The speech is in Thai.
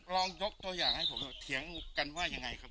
ลองยกตัวอย่างให้ผมเถอะเถียงกันว่ายังไงครับ